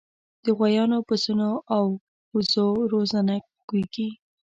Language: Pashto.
د غویانو، پسونو او وزو روزنه کیږي.